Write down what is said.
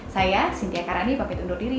saya cynthia karani bapak pintu undur diri